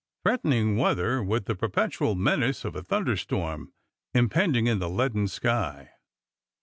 Threatenirg weather, with the perpetual menace of a thunderstorm impend ing in the leaden sky.